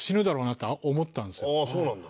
ああそうなんだ。